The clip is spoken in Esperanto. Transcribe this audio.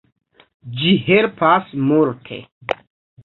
Ĝi helpas multe.